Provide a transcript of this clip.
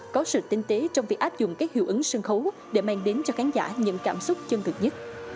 có sự tinh tế trong việc áp dụng các hiệu ứng sân khấu để mang đến cho khán giả những cảm xúc chân thực nhất